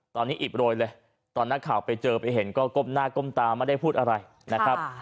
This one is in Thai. ตอนนี้อิดโรยเลยตอนนักข่าวไปเจอไปเห็นก็ก้มหน้าก้มตาไม่ได้พูดอะไรนะครับ